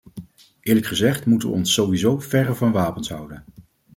Eerlijk gezegd moeten we ons sowieso verre van wapens houden.